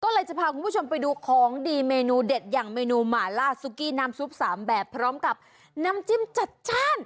ก็เลยจะพาคุณผู้ชมไปดูของดีเมนูเด็ดอย่างเมนูหมาล่าซุกี้น้ำซุป๓แบบพร้อมกับน้ำจิ้มจัดจ้าน